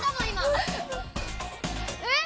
えっ？